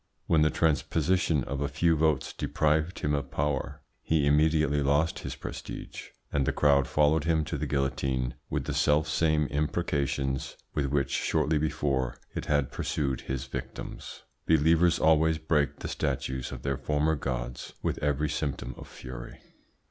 When the transposition of a few votes deprived him of power, he immediately lost his prestige, and the crowd followed him to the guillotine with the self same imprecations with which shortly before it had pursued his victims. Believers always break the statues of their former gods with every symptom of fury.